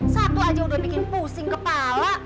satu aja udah bikin pusing kepala